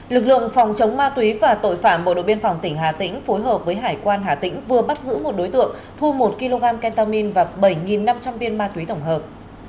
lực lượng phòng chống ma túy và tội phạm bộ đội biên phòng tỉnh hà tĩnh phối hợp với hải quan hà tĩnh vừa bắt giữ một đối tượng thu một kg kentamin và bảy năm trăm linh viên ma túy tổng hợp